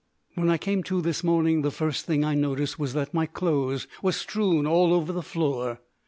When I came to this morning, the first thing I noticed was that my clothes were strewn all over the floor...